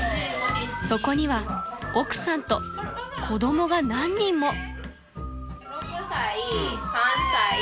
［そこには奥さんと子供が何人も］